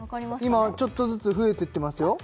今ちょっとずつ増えてってますよ